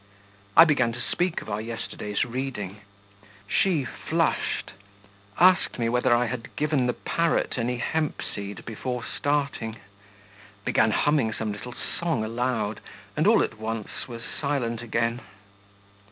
I began to speak of our yesterday's reading; she flushed, asked me whether I had given the parrot any hemp seed before starting, began humming some little song aloud, and all at once was silent again.